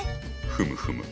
ふむふむ。